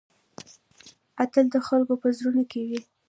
اتل د خلکو په زړه کې وي؟